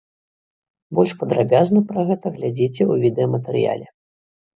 Больш падрабязна пра гэта глядзіце у відэаматэрыяле.